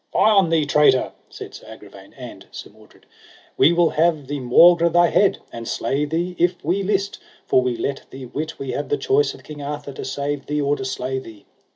Fie on thee, traitor, said Sir Agravaine and Sir Mordred, we will have thee maugre thy head, and slay thee if we list; for we let thee wit we have the choice of King Arthur to save thee or to slay thee.